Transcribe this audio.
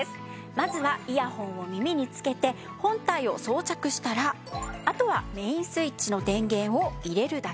まずはイヤホンを耳につけて本体を装着したらあとはメインスイッチの電源を入れるだけ。